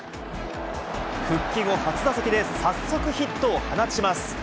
復帰後初打席で早速、ヒットを放ちます。